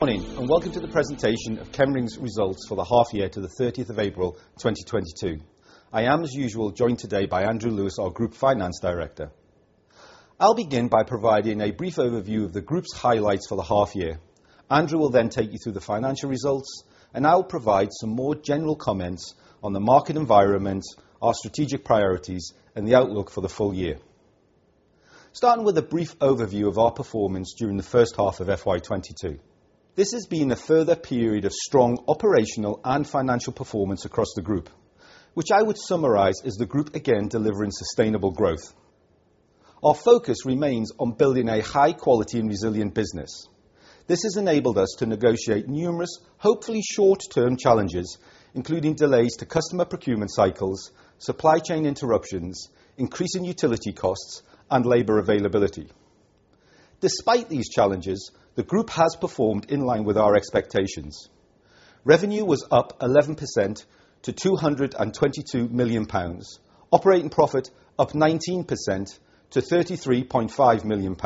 Morning, and welcome to the presentation of Chemring's results for the half year to the 30th of April, 2022. I am, as usual, joined today by Andrew Lewis, our Group Finance Director. I'll begin by providing a brief overview of the group's highlights for the half year. Andrew will then take you through the financial results, and I'll provide some more general comments on the market environment, our strategic priorities, and the outlook for the full year. Starting with a brief overview of our performance during the first half of FY 2022. This has been a further period of strong operational and financial performance across the group, which I would summarize as the group again delivering sustainable growth. Our focus remains on building a high quality and resilient business. This has enabled us to negotiate numerous, hopefully short-term challenges, including delays to customer procurement cycles, supply chain interruptions, increasing utility costs, and labor availability. Despite these challenges, the group has performed in line with our expectations. Revenue was up 11% to GBP 222 million. Operating profit up 19% to GBP 33.5 million,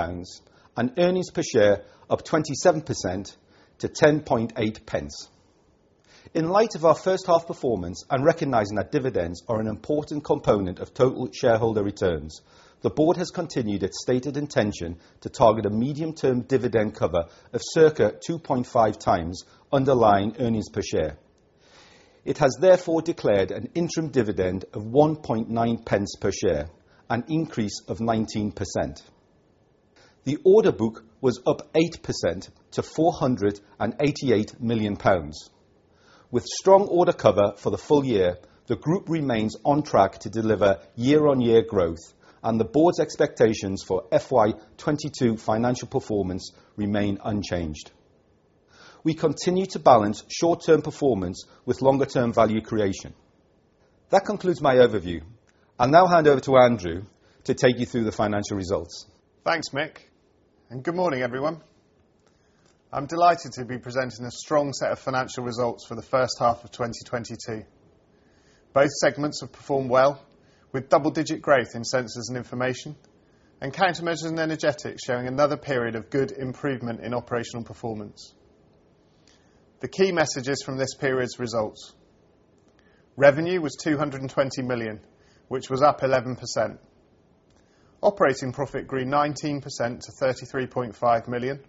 and earnings per share up 27% to 10.8 p. In light of our first half performance, and recognizing that dividends are an important component of total shareholder returns, the board has continued its stated intention to target a medium-term dividend cover of circa 2.5x underlying earnings per share. It has therefore declared an interim dividend of 1.9 p per share, an increase of 19%. The order book was up 8% to 488 million pounds. With strong order cover for the full year, the group remains on track to deliver year-on-year growth, and the board's expectations for FY 2022 financial performance remain unchanged. We continue to balance short-term performance with longer-term value creation. That concludes my overview. I'll now hand over to Andrew to take you through the financial results. Thanks, Mick, and good morning, everyone. I'm delighted to be presenting a strong set of financial results for the first half of 2022. Both segments have performed well, with double-digit growth in Sensors & Information, and Countermeasures & Energetics showing another period of good improvement in operational performance. The key messages from this period's results. Revenue was 220 million, which was up 11%. Operating profit grew 19% to 33.5 million,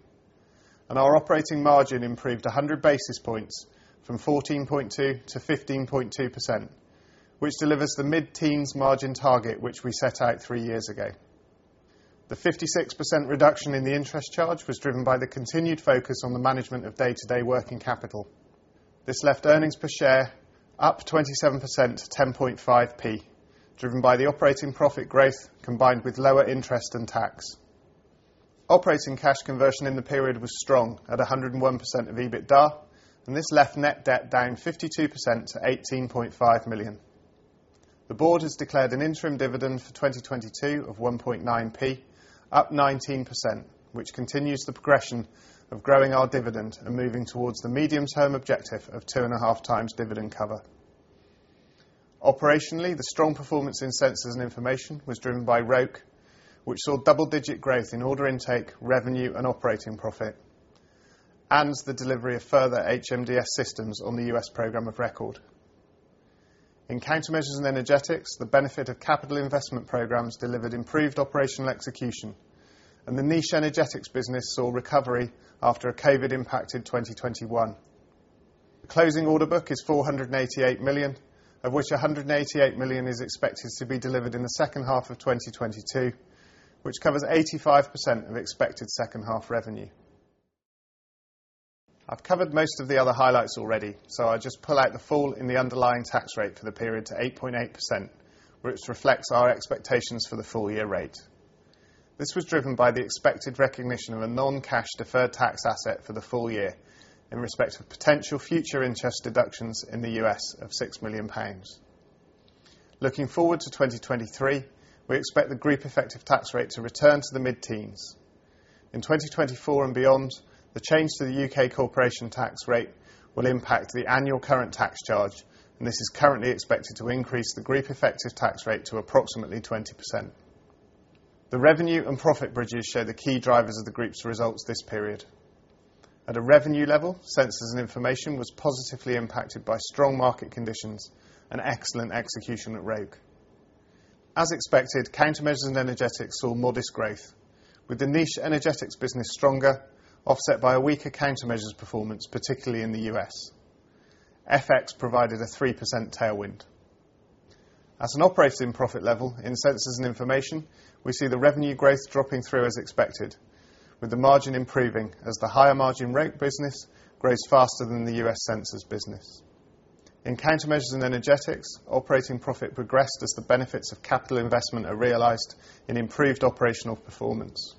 and our operating margin improved 100 basis points from 14.2%-15.2%, which delivers the mid-teens margin target which we set out three years ago. The 56% reduction in the interest charge was driven by the continued focus on the management of day-to-day working capital. This left earnings per share up 27% to 10.5 p, driven by the operating profit growth, combined with lower interest and tax. Operating cash conversion in the period was strong at 101% of EBITDA, and this left net debt down 52% to 18.5 million. The board has declared an interim dividend for 2022 of 1.9 p, up 19%, which continues the progression of growing our dividend and moving towards the medium-term objective of 2.5x dividend cover. Operationally, the strong performance in Sensors & Information was driven by Roke, which saw double-digit growth in order intake, revenue, and operating profit, and the delivery of further HMDS systems on the U.S. program of record. In Countermeasures & Energetics, the benefit of capital investment programs delivered improved operational execution, and the niche energetics business saw recovery after a COVID-impacted 2021. The closing order book is 488 million, of which 188 million is expected to be delivered in the second half of 2022, which covers 85% of expected second half revenue. I've covered most of the other highlights already, so I'll just pull out the fall in the underlying tax rate for the period to 8.8%, which reflects our expectations for the full year rate. This was driven by the expected recognition of a non-cash deferred tax asset for the full year in respect of potential future interest deductions in the U.S. of 6 million pounds. Looking forward to 2023, we expect the group effective tax rate to return to the mid-teens. In 2024 and beyond, the change to the U.K. corporation tax rate will impact the annual current tax charge, and this is currently expected to increase the group effective tax rate to approximately 20%. The revenue and profit bridges show the key drivers of the group's results this period. At a revenue level, Sensors & Information was positively impacted by strong market conditions and excellent execution at Roke. As expected, Countermeasures & Energetics saw modest growth, with the niche energetics business stronger, offset by a weaker countermeasures performance, particularly in the U.S. FX provided a 3% tailwind. At an operating profit level in Sensors & Information, we see the revenue growth dropping through as expected, with the margin improving as the higher margin Roke business grows faster than the U.S. Sensors business. In Countermeasures & Energetics, operating profit progressed as the benefits of capital investment are realized in improved operational performance.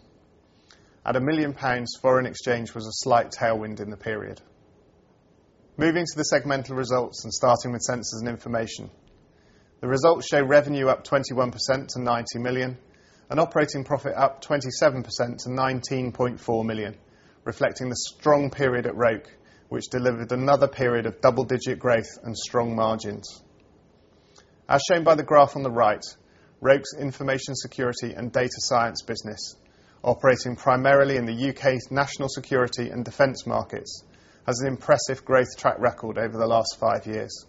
At 1 million pounds, foreign exchange was a slight tailwind in the period. Moving to the segmental results and starting with Sensors & Information. The results show revenue up 21% to 90 million and operating profit up 27% to 19.4 million, reflecting the strong period at Roke, which delivered another period of double-digit growth and strong margins. As shown by the graph on the right, Roke's Information Security and Data Science business, operating primarily in the U.K.'s national security and defense markets, has an impressive growth track record over the last five years.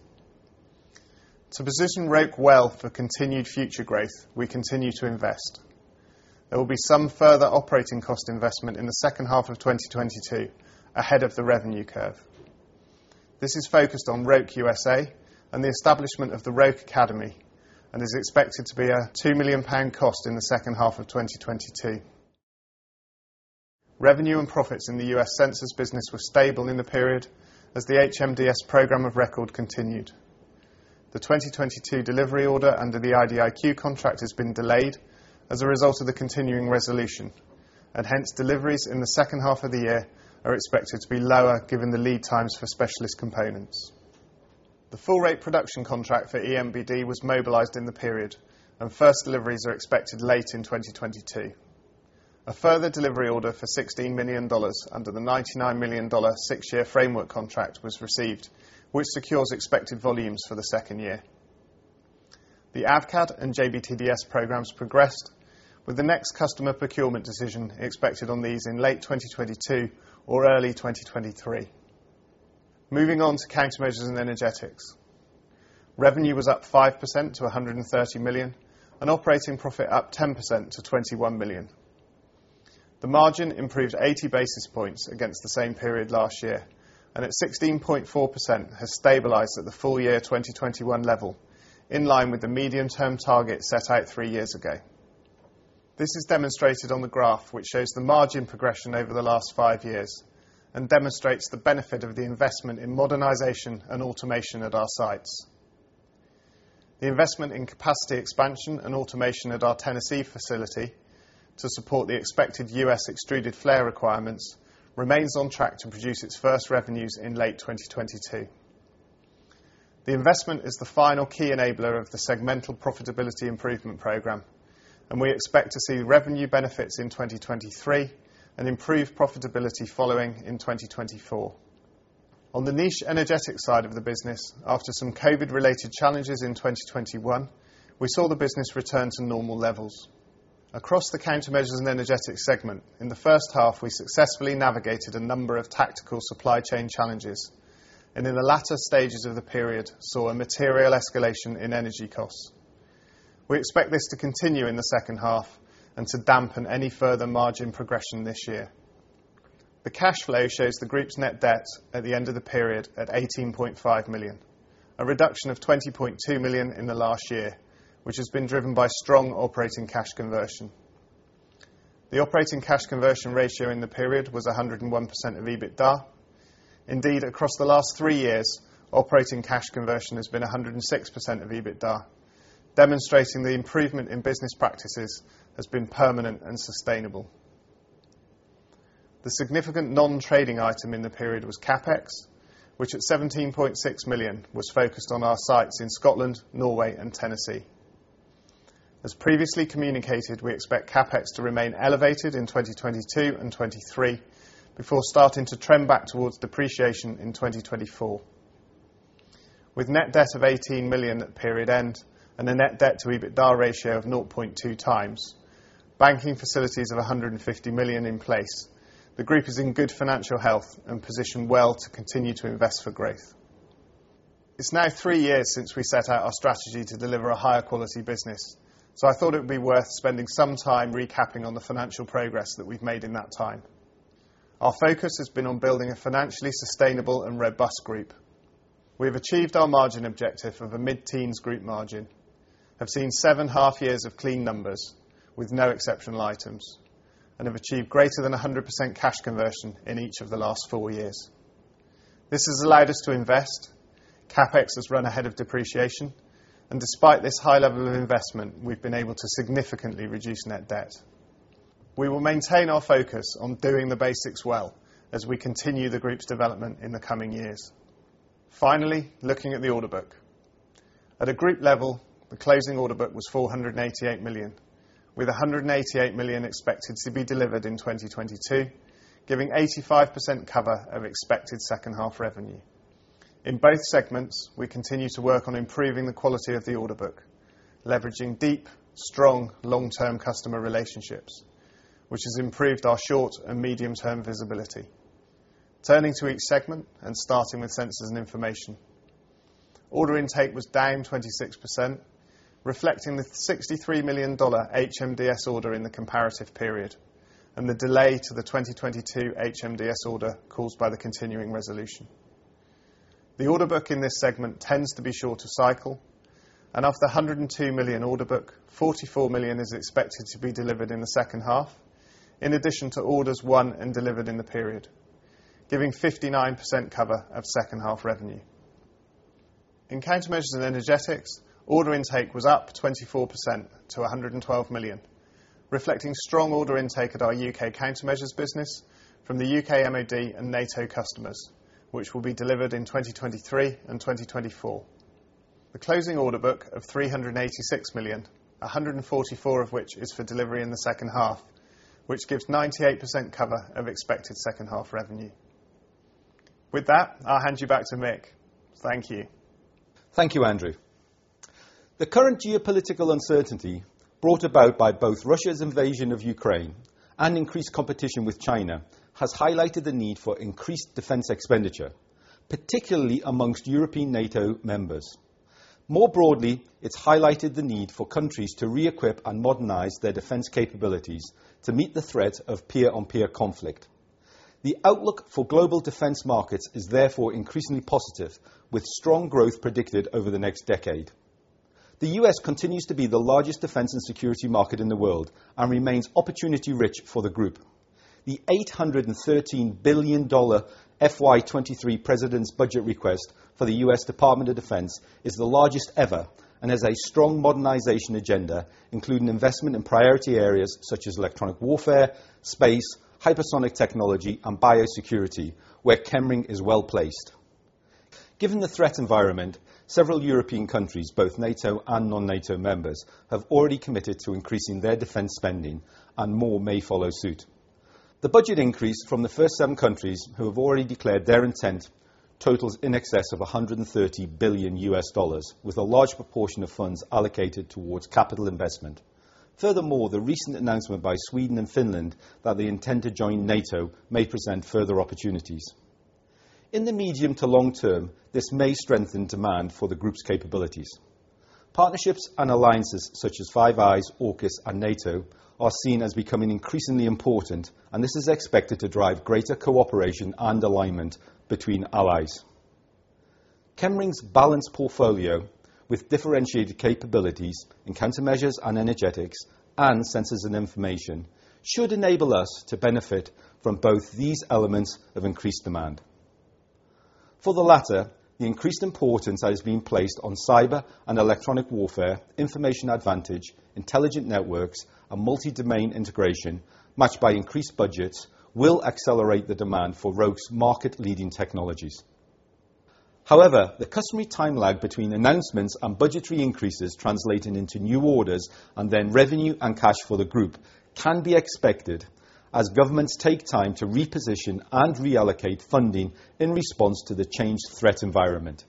To position Roke well for continued future growth, we continue to invest. There will be some further operating cost investment in the second half of 2022, ahead of the revenue curve. This is focused on Roke USA and the establishment of the Roke Academy, and is expected to be a 2 million pound cost in the second half of 2022. Revenue and profits in the U.S. Sensors business were stable in the period as the HMDS program of record continued. The 2022 delivery order under the IDIQ contract has been delayed as a result of the continuing resolution, and hence, deliveries in the second half of the year are expected to be lower given the lead times for specialist components. The full Roke production contract for EMBD was mobilized in the period, and first deliveries are expected late in 2022. A further delivery order for $16 million under the $99 million six-year framework contract was received, which secures expected volumes for the second year. The AVCAD and JBTDS programs progressed with the next customer procurement decision expected on these in late 2022 or early 2023. Moving on to Countermeasures & Energetics. Revenue was up 5% to 130 million, and operating profit up 10% to 21 million. The margin improved 80 basis points against the same period last year, and at 16.4% has stabilized at the full year 2021 level, in line with the medium-term target set out three years ago. This is demonstrated on the graph, which shows the margin progression over the last five years and demonstrates the benefit of the investment in modernization and automation at our sites. The investment in capacity expansion and automation at our Tennessee facility to support the expected U.S. extruded flare requirements remains on track to produce its first revenues in late 2022. The investment is the final key enabler of the segmental profitability improvement program, and we expect to see revenue benefits in 2023 and improved profitability following in 2024. On the niche Energetics side of the business, after some COVID-related challenges in 2021, we saw the business return to normal levels. Across the Countermeasures & Energetics segment, in the first half, we successfully navigated a number of tactical supply chain challenges, and in the latter stages of the period, saw a material escalation in energy costs. We expect this to continue in the second half and to dampen any further margin progression this year. The cash flow shows the group's net debt at the end of the period at 18.5 million, a reduction of 20.2 million in the last year, which has been driven by strong operating cash conversion. The operating cash conversion ratio in the period was 101% of EBITDA. Indeed, across the last three years, operating cash conversion has been 106% of EBITDA, demonstrating the improvement in business practices has been permanent and sustainable. The significant non-trading item in the period was CapEx, which at 17.6 million was focused on our sites in Scotland, Norway, and Tennessee. As previously communicated, we expect CapEx to remain elevated in 2022 and 2023 before starting to trend back towards depreciation in 2024. With net debt of 18 million at period end and a net debt to EBITDA ratio of 0.2x, banking facilities of 150 million in place, the group is in good financial health and positioned well to continue to invest for growth. It's now three years since we set out our strategy to deliver a higher quality business, so I thought it would be worth spending some time recapping on the financial progress that we've made in that time. Our focus has been on building a financially sustainable and robust group. We have achieved our margin objective of a mid-teens group margin, have seen seven half years of clean numbers with no exceptional items, and have achieved greater than 100% cash conversion in each of the last four years. This has allowed us to invest. CapEx has run ahead of depreciation, and despite this high level of investment, we've been able to significantly reduce net debt. We will maintain our focus on doing the basics well as we continue the group's development in the coming years. Finally, looking at the order book. At a group level, the closing order book was 488 million, with 188 million expected to be delivered in 2022, giving 85% cover of expected second half revenue. In both segments, we continue to work on improving the quality of the order book, leveraging deep, strong, long-term customer relationships, which has improved our short and medium term visibility. Turning to each segment and starting with Sensors & Information. Order intake was down 26%, reflecting the $63 million HMDS order in the comparative period, and the delay to the 2022 HMDS order caused by the continuing resolution. The order book in this segment tends to be shorter cycle, and of the 102 million order book, 44 million is expected to be delivered in the second half, in addition to orders won and delivered in the period, giving 59% cover of second half revenue. In Countermeasures & Energetics, order intake was up 24% to 112 million, reflecting strong order intake at our U.K. countermeasures business from the U.K. MoD and NATO customers, which will be delivered in 2023 and 2024. The closing order book of 386 million, 144 of which is for delivery in the second half, which gives 98% cover of expected second half revenue. With that, I'll hand you back to Mick. Thank you. Thank you, Andrew. The current geopolitical uncertainty brought about by both Russia's invasion of Ukraine and increased competition with China has highlighted the need for increased defense expenditure, particularly among European NATO members. More broadly, it's highlighted the need for countries to re-equip and modernize their defense capabilities to meet the threat of peer-on-peer conflict. The outlook for global defense markets is therefore increasingly positive with strong growth predicted over the next decade. The U.S. continues to be the largest defense and security market in the world and remains opportunity-rich for the group. The $813 billion FY 2023 president's budget request for the U.S. Department of Defense is the largest ever and has a strong modernization agenda, including investment in priority areas such as electronic warfare, space, hypersonic technology, and biosecurity, where Chemring is well-placed. Given the threat environment, several European countries, both NATO and non-NATO members, have already committed to increasing their defense spending, and more may follow suit. The budget increase from the first seven countries who have already declared their intent totals in excess of $130 billion, with a large proportion of funds allocated towards capital investment. Furthermore, the recent announcement by Sweden and Finland that they intend to join NATO may present further opportunities. In the medium- to long-term, this may strengthen demand for the group's capabilities. Partnerships and alliances such as Five Eyes, AUKUS, and NATO are seen as becoming increasingly important, and this is expected to drive greater cooperation and alignment between allies. Chemring's balanced portfolio with differentiated capabilities and Countermeasures & Energetics and Sensors & Information should enable us to benefit from both these elements of increased demand. For the latter, the increased importance that is being placed on cyber and electronic warfare, information advantage, intelligent networks, and multi-domain integration, matched by increased budgets, will accelerate the demand for Roke's market-leading technologies. However, the customary time lag between announcements and budgetary increases translating into new orders and then revenue and cash for the group can be expected as governments take time to reposition and reallocate funding in response to the changed threat environment.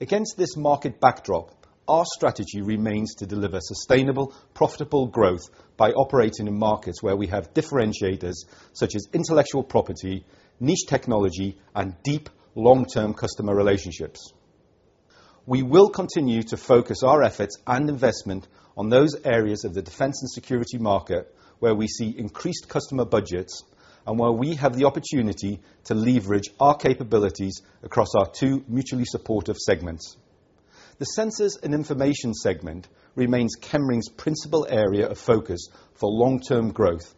Against this market backdrop, our strategy remains to deliver sustainable, profitable growth by operating in markets where we have differentiators such as intellectual property, niche technology, and deep long-term customer relationships. We will continue to focus our efforts and investment on those areas of the defense and security market where we see increased customer budgets and where we have the opportunity to leverage our capabilities across our two mutually supportive segments. The Sensors & Information segment remains Chemring's principal area of focus for long-term growth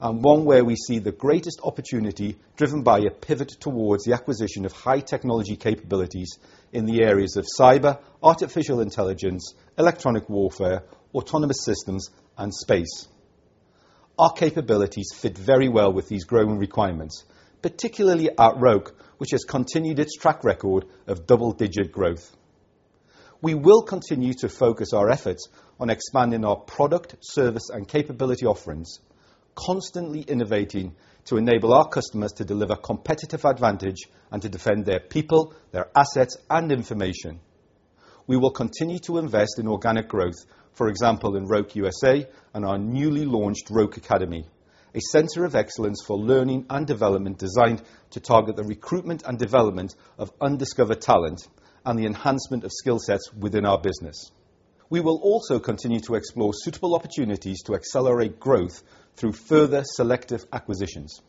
and one where we see the greatest opportunity driven by a pivot towards the acquisition of high-technology capabilities in the areas of cyber, artificial intelligence, electronic warfare, autonomous systems, and space. Our capabilities fit very well with these growing requirements, particularly at Roke, which has continued its track record of double-digit growth. We will continue to focus our efforts on expanding our product, service, and capability offerings, constantly innovating to enable our customers to deliver competitive advantage and to defend their people, their assets, and information. We will continue to invest in organic growth, for example, in Roke USA and our newly launched Roke Academy, a center of excellence for learning and development designed to target the recruitment and development of undiscovered talent and the enhancement of skill sets within our business. We will also continue to explore suitable opportunities to accelerate growth through further selective acquisitions.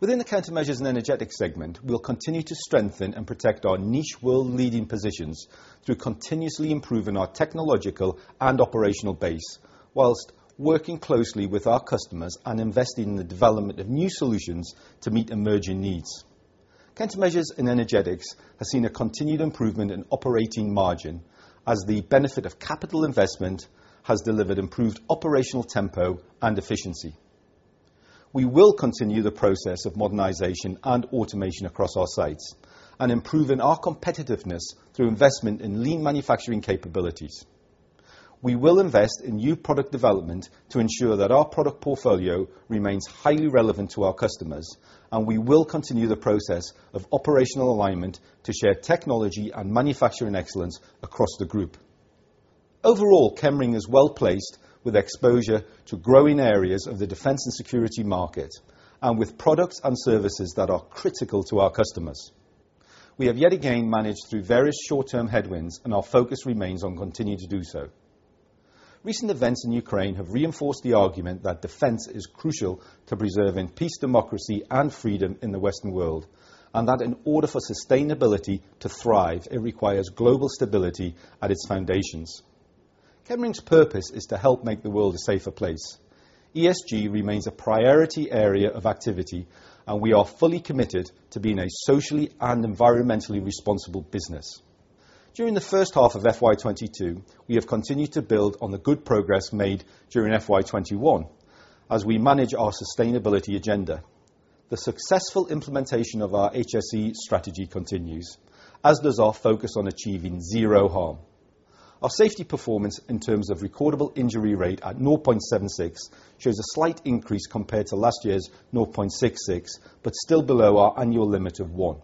Within the Countermeasures & Energetics segment, we'll continue to strengthen and protect our niche world-leading positions through continuously improving our technological and operational base while working closely with our customers and investing in the development of new solutions to meet emerging needs. Countermeasures & Energetics has seen a continued improvement in operating margin as the benefit of capital investment has delivered improved operational tempo and efficiency. We will continue the process of modernization and automation across our sites and improving our competitiveness through investment in lean manufacturing capabilities. We will invest in new product development to ensure that our product portfolio remains highly relevant to our customers, and we will continue the process of operational alignment to share technology and manufacturing excellence across the group. Overall, Chemring is well-placed with exposure to growing areas of the defense and security market and with products and services that are critical to our customers. We have yet again managed through various short-term headwinds, and our focus remains on continuing to do so. Recent events in Ukraine have reinforced the argument that defense is crucial to preserving peace, democracy, and freedom in the Western world, and that in order for sustainability to thrive, it requires global stability at its foundations. Chemring's purpose is to help make the world a safer place. ESG remains a priority area of activity, and we are fully committed to being a socially and environmentally responsible business. During the first half of FY 2022, we have continued to build on the good progress made during FY 2021 as we manage our sustainability agenda. The successful implementation of our HSE strategy continues, as does our focus on achieving zero harm. Our safety performance in terms of recordable injury rate at 0.76 shows a slight increase compared to last year's 0.66, but still below our annual limit of one.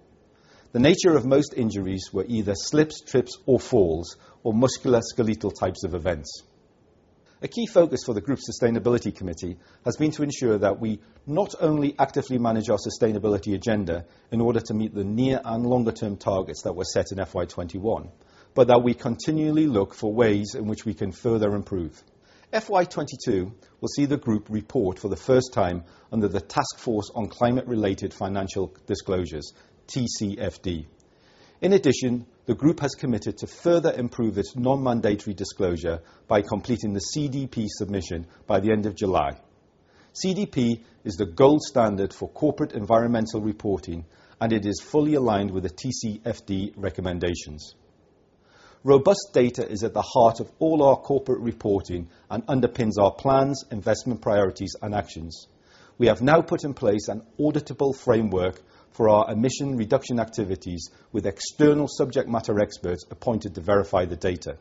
The nature of most injuries were either slips, trips or falls, or musculoskeletal types of events. A key focus for the group sustainability committee has been to ensure that we not only actively manage our sustainability agenda in order to meet the near and longer-term targets that were set in FY 2021, but that we continually look for ways in which we can further improve. FY 2022 will see the group report for the first time under the Task Force on Climate-related Financial Disclosures, TCFD. In addition, the group has committed to further improve its non-mandatory disclosure by completing the CDP submission by the end of July. CDP is the gold standard for corporate environmental reporting, and it is fully aligned with the TCFD recommendations. Robust data is at the heart of all our corporate reporting and underpins our plans, investment priorities, and actions. We have now put in place an auditable framework for our emission reduction activities with external subject matter experts appointed to verify the data.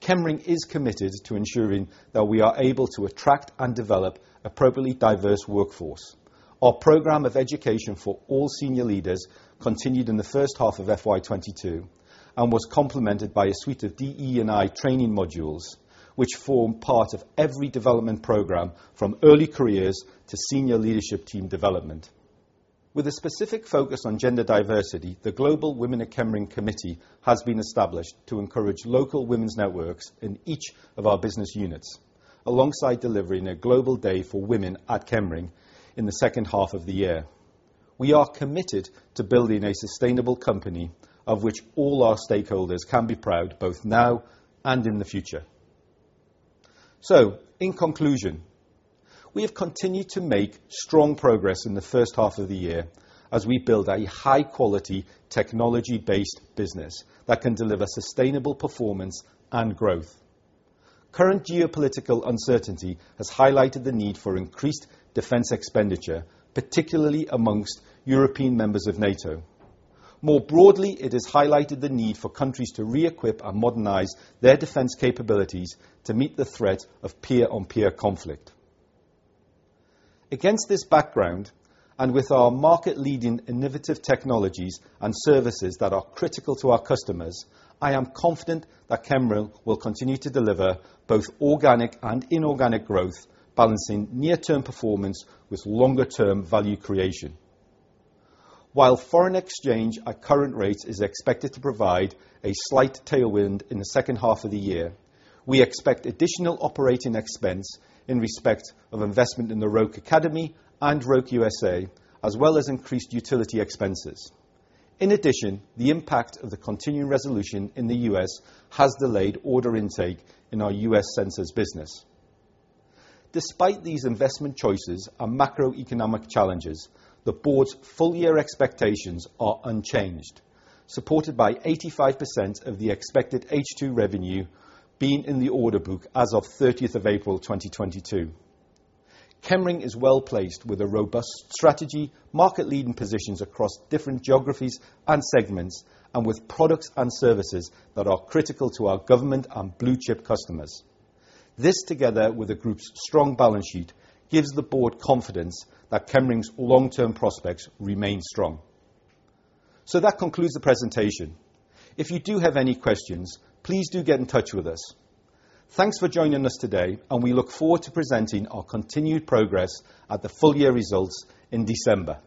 Chemring is committed to ensuring that we are able to attract and develop appropriately diverse workforce. Our program of education for all senior leaders continued in the first half of FY 2022 and was complemented by a suite of DE&I training modules, which form part of every development program from early careers to senior leadership team development. With a specific focus on gender diversity, the Global Women at Chemring committee has been established to encourage local women's networks in each of our business units, alongside delivering a global day for women at Chemring in the second half of the year. We are committed to building a sustainable company of which all our stakeholders can be proud, both now and in the future. In conclusion, we have continued to make strong progress in the first half of the year as we build a high-quality technology-based business that can deliver sustainable performance and growth. Current geopolitical uncertainty has highlighted the need for increased defense expenditure, particularly among European members of NATO. More broadly, it has highlighted the need for countries to re-equip and modernize their defense capabilities to meet the threat of peer-on-peer conflict. Against this background, and with our market-leading innovative technologies and services that are critical to our customers, I am confident that Chemring will continue to deliver both organic and inorganic growth, balancing near-term performance with longer-term value creation. While foreign exchange at current rates is expected to provide a slight tailwind in the second half of the year, we expect additional operating expense in respect of investment in the Roke Academy and Roke USA, as well as increased utility expenses. In addition, the impact of the continuing resolution in the U.S. has delayed order intake in our U.S. Sensors business. Despite these investment choices and macroeconomic challenges, the board's full year expectations are unchanged, supported by 85% of the expected H2 revenue being in the order book as of 30th of April 2022. Chemring is well-placed with a robust strategy, market-leading positions across different geographies and segments, and with products and services that are critical to our government and blue-chip customers. This, together with the group's strong balance sheet, gives the board confidence that Chemring's long-term prospects remain strong. That concludes the presentation. If you do have any questions, please do get in touch with us. Thanks for joining us today, and we look forward to presenting our continued progress at the full year results in December.